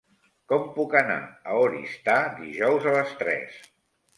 Com puc anar a Oristà dijous a les tres?